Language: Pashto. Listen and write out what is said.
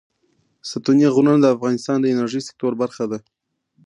ستوني غرونه د افغانستان د انرژۍ سکتور برخه ده.